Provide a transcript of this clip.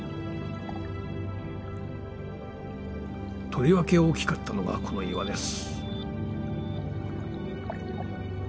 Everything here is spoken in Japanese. とりわけ大きかったのがこの岩です。